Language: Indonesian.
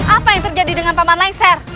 apa yang terjadi dengan paman laisar